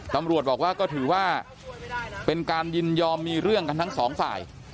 ตำรวจบอกว่าก็ถือว่าเป็นการยินยอมมีเรื่องกันทั้งสองฝ่าย